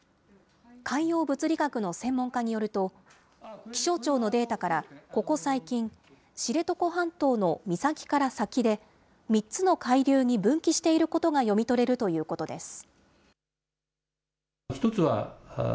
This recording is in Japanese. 海洋物理学の専門家によると、気象庁のデータから、ここ最近、知床半島の岬から先で、３つの海流に分岐していることが読み取れるということです。